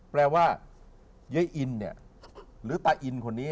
แปลว่าเย็ยอินหรือดินอคนนี้